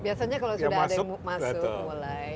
biasanya kalau sudah ada yang masuk mulai